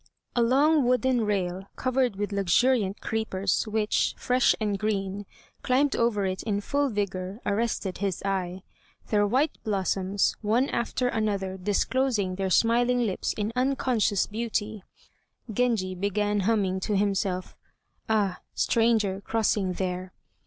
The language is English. A long wooden rail, covered with luxuriant creepers, which, fresh and green, climbed over it in full vigor, arrested his eye; their white blossoms, one after another disclosing their smiling lips in unconscious beauty. Genji began humming to himself: "Ah! stranger crossing there."